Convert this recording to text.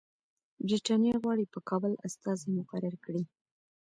برټانیه غواړي په کابل استازی مقرر کړي.